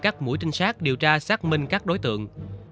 các mũi trinh sát điều tra xác minh các đối tượng